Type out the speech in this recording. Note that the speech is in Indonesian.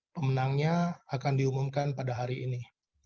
pemenangnya akan diumumkan pada hari ini